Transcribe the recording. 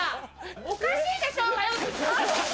おかしいでしょうがよ！